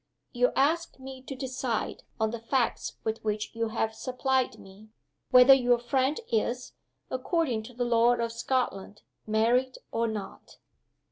You ask me to decide on the facts with which you have supplied me whether your friend is, according to the law of Scotland, married or not?"